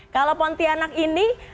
kalau pontianak ini